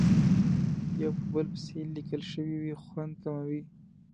یو په بل پسې لیکل شوې وي خوند کموي.